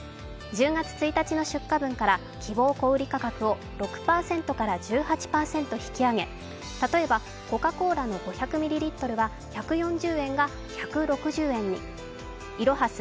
１０月１日の出荷分から希望小売価格を６％から１８％引き上げ例えばコカ・コーラの５００ｍは１４０円が１６０円にい・ろ・は・す